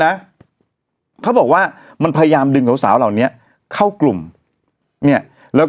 นะเขาบอกว่ามันพยายามดึงสาวสาวเหล่านี้เข้ากลุ่มเนี่ยแล้วก็